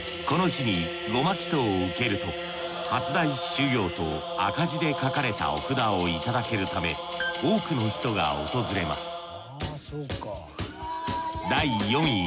この日に護摩祈祷を受けると初大師修行と赤字で書かれたお札をいただけるため多くの人が訪れます